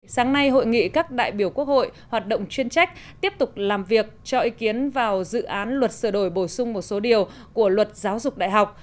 sáng nay hội nghị các đại biểu quốc hội hoạt động chuyên trách tiếp tục làm việc cho ý kiến vào dự án luật sửa đổi bổ sung một số điều của luật giáo dục đại học